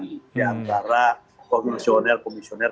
di antara komisioner komisioner